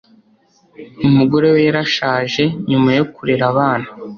umugore we yarashaje nyuma yo kurera abana